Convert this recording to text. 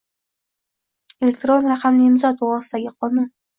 Elektron raqamli imzo to'g'risidagi qonun